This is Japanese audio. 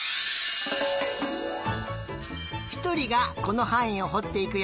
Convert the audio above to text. ひとりがこのはんいをほっていくよ。